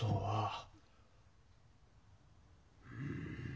うん。